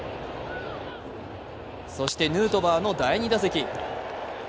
そしてヌートバーの第２打席。